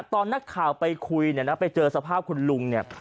ตอนนักข่าวไปคุยเนี่ยนะไปเจอสภาพคุณลุงเนี่ย